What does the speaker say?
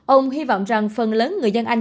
ông hy vọng rằng phần lớn người dân anh